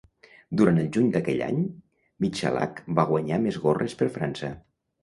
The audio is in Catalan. Durant el juny d'aquell any, Michalak va guanyar més gorres per França.